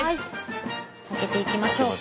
開けていきましょうか。